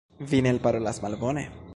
Vi ne elparolas malbone.